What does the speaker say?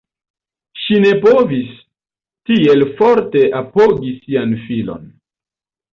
Ŝi ne povis tiel forte apogi sian filon.